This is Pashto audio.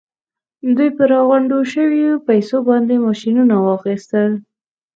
دوی په راغونډو شويو پیسو باندې ماشينونه واخيستل.